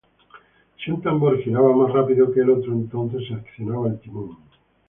Si un tambor giraba más rápido que el otro, entonces se accionaba el timón.